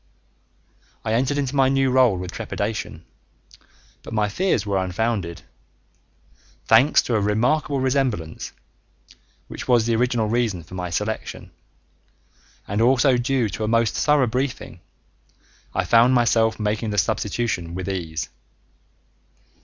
I entered into my new role with trepidation, but my fears were unfounded. Thanks to a remarkable resemblance (which was the original reason for my selection) and also due to a most thorough briefing, I found myself making the substitution with ease.